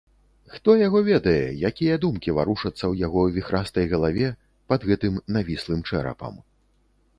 Хто яго ведае, якія думкі варушацца ў яго віхрастай галаве, пад гэтым навіслым чэрапам.